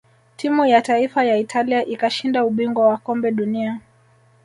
timu ya taifa ya italia ikashinda ubingwa wa kombe dunia